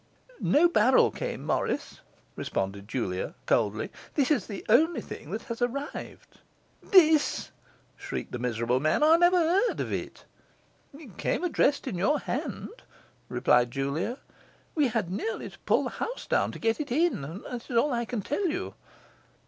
'No barrel came, Morris,' responded Julia coldly. 'This is the only thing that has arrived.' 'This!' shrieked the miserable man. 'I never heard of it!' 'It came addressed in your hand,' replied Julia; 'we had nearly to pull the house down to get it in, that is all that I can tell you.